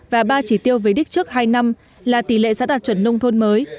và ba chỉ tiêu với đích trước hai năm là tỷ lệ giá đạt chuẩn nông thôn mới